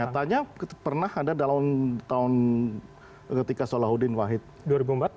nyatanya pernah ada dalam tahun ketika salahuddin wahid dua ribu empat